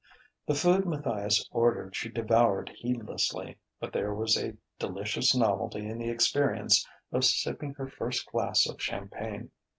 The food Matthias ordered she devoured heedlessly; but there was a delicious novelty in the experience of sipping her first glass of champagne.